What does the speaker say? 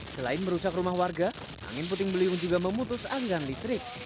selain merusak rumah warga angin puting beliung juga memutus alian listrik